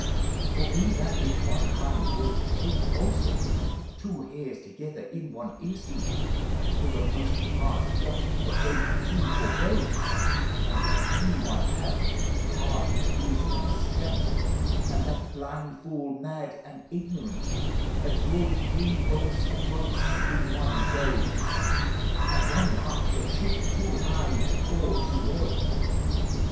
For he that with one honnde wol take also Two harys togyther in one instant For the moste parte doth the both two forgo, And if he one have: harde it is and skant And that blynd fole mad and ignorant That draweth thre boltis atons* in one bowe At one marke shall shote to[o] high or to[o] lowe.